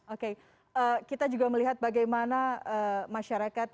oke kita juga melihat bagaimana masyarakat